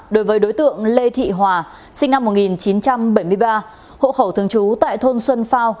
đối với đối tượng lê thị hòa sinh năm một nghìn chín trăm bảy mươi ba hộ khẩu thường trú tại thôn xuân phao